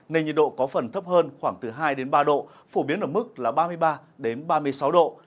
nền nhiệt độ có phần thấp hơn khoảng từ hai đến ba độ phổ biến ở mức là ba mươi ba đến ba mươi sáu độ